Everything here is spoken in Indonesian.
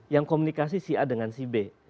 yang komunikasi si a dengan si b